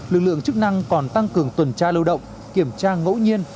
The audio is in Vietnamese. lực lượng chức năng còn tăng cường tuần tra lưu động kiểm tra ngẫu nhiên